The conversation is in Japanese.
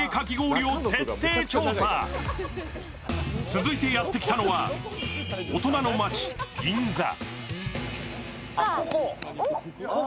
続いてやってきたのは、大人の街・銀座。